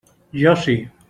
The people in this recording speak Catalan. Jo sí.